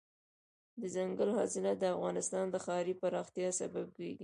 دځنګل حاصلات د افغانستان د ښاري پراختیا سبب کېږي.